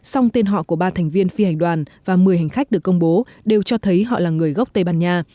song tên họ của ba thành viên phi hành đoàn và một mươi hành khách được công bố đều cho thấy họ là người gốc tây ban nha